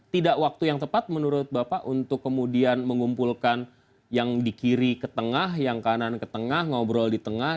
tidak waktu yang tepat menurut bapak untuk kemudian mengumpulkan yang di kiri ke tengah yang kanan ke tengah ngobrol di tengah